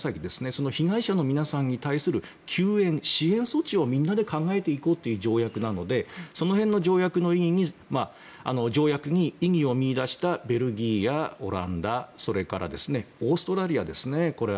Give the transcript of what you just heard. その被害者の皆さんに対する救援、支援措置をみんなで考えていこうという条約なのでその辺の条約に意義を見出したベルギーやオランダそれからオーストラリアですね。